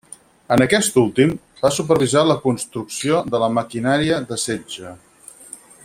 En aquest últim, va supervisar la construcció de la maquinària de setge.